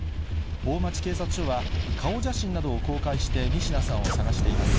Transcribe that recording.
大町警察署は顔写真などを公開して、仁科さんを捜しています。